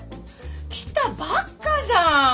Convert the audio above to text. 来たばっかじゃん！